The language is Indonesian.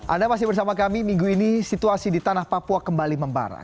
anda masih bersama kami minggu ini situasi di tanah papua kembali membara